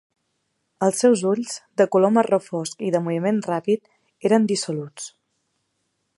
Els seus ulls, de color marró fosc i de moviment ràpid, eren dissoluts.